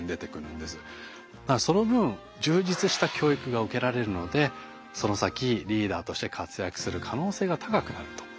その分充実した教育が受けられるのでその先リーダーとして活躍する可能性が高くなると。